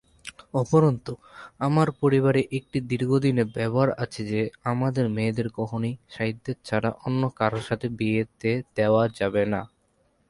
উপরন্তু, আমার পরিবারে একটি দীর্ঘদিনের ব্যবহার আছে যে আমাদের মেয়েদের কখনোই সাইয়্যেদ ছাড়া অন্য কারো সাথে বিয়েতে দেওয়া যাবে না।